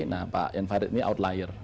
nah pak jan farid ini outlier